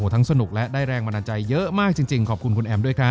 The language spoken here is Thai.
สนุกและได้แรงบันดาลใจเยอะมากจริงขอบคุณคุณแอมด้วยครับ